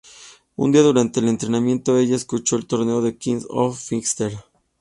Un día, durante el entrenamiento, ella escucha del torneo "The King of Fighters".